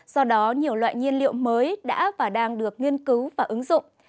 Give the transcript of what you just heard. do đó nhiều loại nhiên liệu mới đã và đang được nghiên cứu và ứng dụng